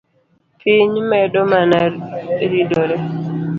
Piny medo mana ridore